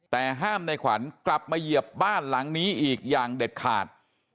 แต่ห้ามในขวัญกลับมาเหยียบบ้านหลังนี้อีกอย่างเด็ดขาด